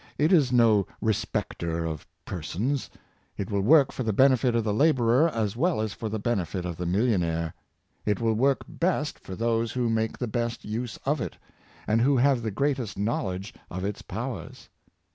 It is no respecter of persons ; it will work for the benefit of the laborer as well as for the benefit of the millionaire. It will work best for those who make the best use of it, and who have the greatest knowledge of its powers.